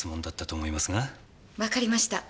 わかりました。